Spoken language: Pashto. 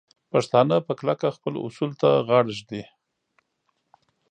پښتانه په کلکه خپلو اصولو ته غاړه ږدي.